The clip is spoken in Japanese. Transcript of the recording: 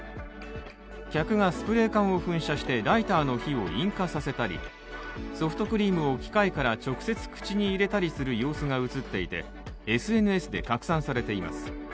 客がスプレー缶を噴射してライターの火を引火させたりソフトクリームを機械から直接口に入れたりする様子が映っていてＳＮＳで拡散されています。